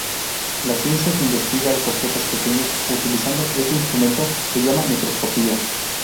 La ciencia que investiga los objetos pequeños utilizando este instrumento se llama microscopía.